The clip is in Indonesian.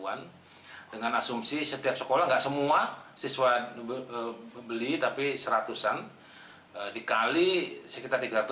dua ratus lima puluh an dengan asumsi setiap sekolah gak semua siswa membeli tapi seratusan dikali sekitar tiga ratus